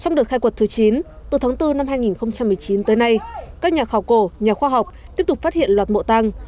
trong đợt khai quật thứ chín từ tháng bốn năm hai nghìn một mươi chín tới nay các nhà khảo cổ nhà khoa học tiếp tục phát hiện loạt mộ tăng